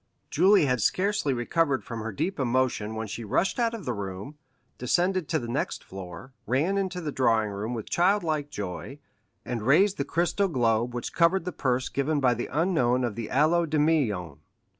Julie had scarcely recovered from her deep emotion when she rushed out of the room, descended to the next floor, ran into the drawing room with childlike joy and raised the crystal globe which covered the purse given by the unknown of the Allées de Meilhan.